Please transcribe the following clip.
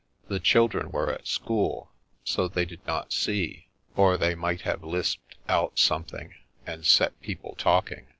The children were at school, so they did not see, or they might have lisped out something, and set people talking.